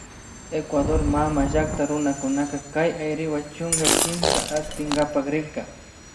Ecuador mamallakta runakunaka kay Ayriwa chunka kimsata aspinkapak rikrin